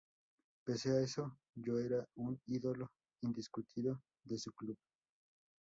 Pese a eso ya era un ídolo indiscutido de su club.